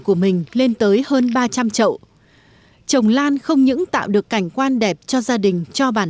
của mình lên tới hơn ba trăm linh trậu trồng lan không những tạo được cảnh quan đẹp cho gia đình cho bản